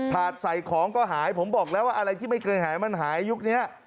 ถาดใส่ของก็หายผมบอกแล้วว่าอะไรที่ไม่เคยหายมันหายยุคนี้